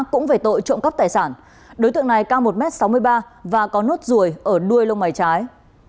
cũng về tội trộm cắp tài sản đối tượng này cao một m sáu mươi ba và có nốt ruồi ở đuôi lông mày trái